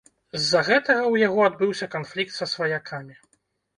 З-за гэтага ў яго адбыўся канфлікт са сваякамі.